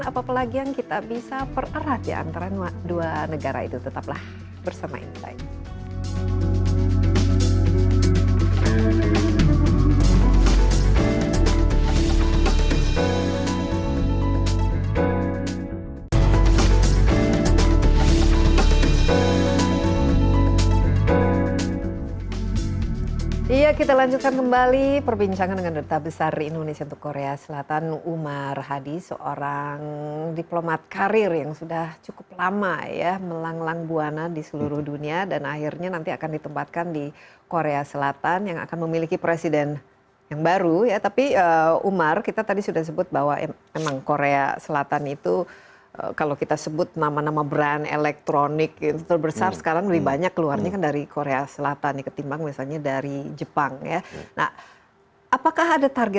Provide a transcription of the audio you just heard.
apalagi yang kita bisa perarah di antara dua negara itu tetaplah bersama ini bye